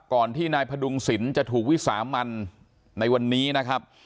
ก่อนที่นายพระดุงสินจะถูกวิสาหมั่นในวันนี้นะครับ